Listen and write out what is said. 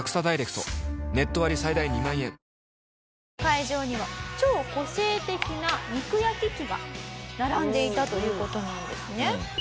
会場には超個性的な肉焼き機が並んでいたという事なんですね。